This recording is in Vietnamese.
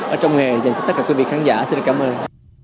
ở trong nghề dành cho tất cả quý vị khán giả xin cảm ơn